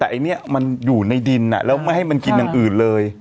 แต่ไอ้เนี่ยมันอยู่ในดินแล้วไม่ให้มันกินอย่างอื่นเลย